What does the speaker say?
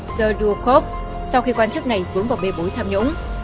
sơdukov sau khi quan chức này vướng vào bê bối tham nhũng